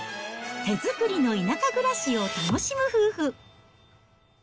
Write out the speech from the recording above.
手作りの田舎暮らしを楽しむ夫婦。